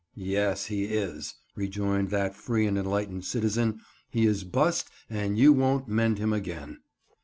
"Yes, he is," rejoined that free and enlightened citizen: "he is bust and you won't mend him again."